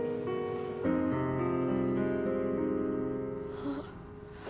あっ。